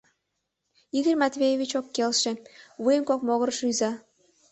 Игорь Матвеевич ок келше, вуйым кок могырыш рӱза.